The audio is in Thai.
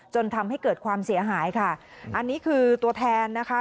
จนทำให้เกิดความเสียหายค่ะอันนี้คือตัวแทนนะคะ